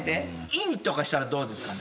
インしたらどうですかね？